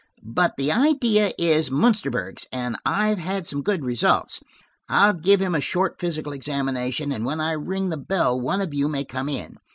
But the idea is Munsterburg's and I've had some good results. I'll give him a short physical examination, and when I ring the bell one of you may come in.